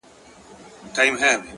رنګ د پسرلي پهٔ ښکلاګانو شو